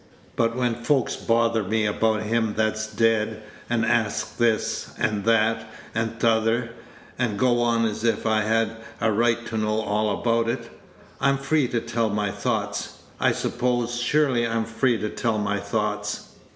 But when folks bother me about him that's dead, and ask this, and that, and t' other, and go on as if I had a right to know all about it, I'm free to tell my thoughts, I suppose surely I'm free to tell my thoughts?"